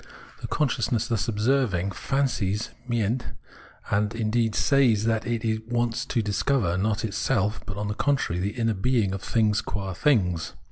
The consciousness thus observing fancies {meint), and, indeed, says that it wants to discover not itself, but, on the contrary, the inner being of things qua things.